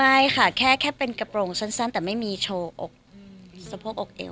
เอ่อไม่ค่ะแค่แค่เป็นกระโปรงสั้นสั้นแต่ไม่มีโชว์อกสะโพกอกเอวอะไรอย่างเงี้ย